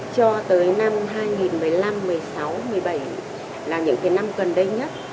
cho tới năm hai nghìn một mươi năm một mươi sáu một mươi bảy là những năm gần đây nhất